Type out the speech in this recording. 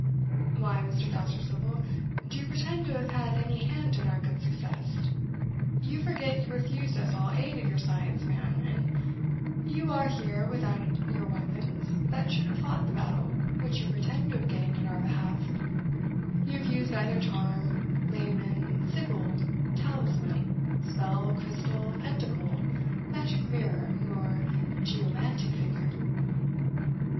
"Why, Mr. Dousterswivel, do you pretend to have had any hand in our good success? you forget you refused us all aid of your science, man; and you are here without your weapons that should have fought the battle which you pretend to have gained in our behalf: you have used neither charm, lamen, sigil, talisman, spell, crystal, pentacle, magic mirror, nor geomantic figure.